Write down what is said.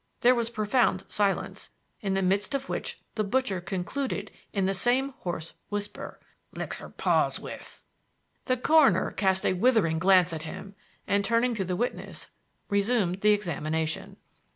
There was profound silence, in the midst of which the butcher concluded in the same hoarse whisper: " licks 'er paws with." The coroner cast a withering glance at him, and, turning to the witness, resumed the examination.